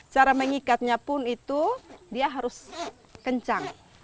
cara mengikatnya pun itu dia harus kencang